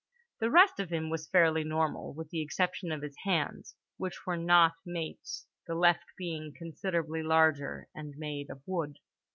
The rest of him was fairly normal with the exception of his hands, which were not mates; the left being considerably larger, and made of wood.